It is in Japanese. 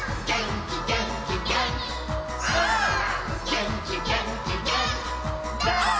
「げんきげんきげんきだー！」